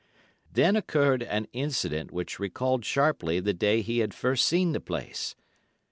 Then occurred an incident which recalled sharply the day he had first seen the place.